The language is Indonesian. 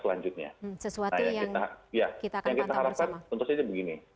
pantang bersama ya yang kita harapkan tentu saja begini